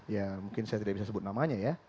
ya mungkin saya tidak bisa sebut namanya ya